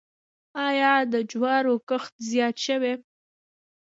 آیا د جوارو کښت زیات شوی؟